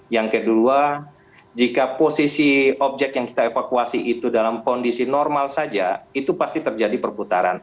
yang kedua jika posisi objek yang kita evakuasi itu dalam kondisi normal saja itu pasti terjadi perputaran